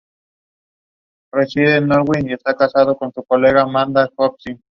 Su momia no ha sido encontrada.